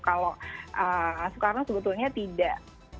kalau soekarno sebetulnya tidak